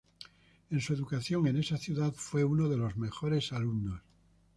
En su educación en esa ciudad fue uno de los mejores alumnos.